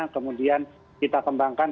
kemudian kita kembangkan